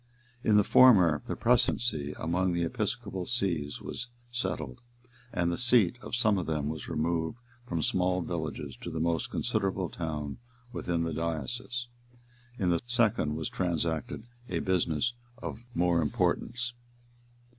In the former, the precedency among the episcopasees was settled, and the seat of some of them was removed from small villages to the most considerable town within the diocese. In the second was transacted a business of more importance.